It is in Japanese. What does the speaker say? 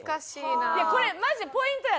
いやこれマジでポイントや。